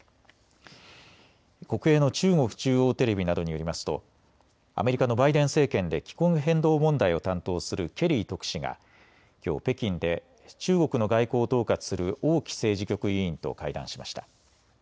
国営の中国中央テレビなどによりますとアメリカのバイデン政権で気候変動問題を担当するケリー特使がきょう北京で中国の外交を統括する王毅政治局委員と会談しました。